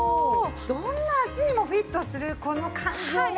どんな足にもフィットするこの感じをね